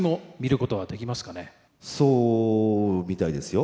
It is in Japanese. そうみたいですよ。